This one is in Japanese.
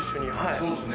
そうですね。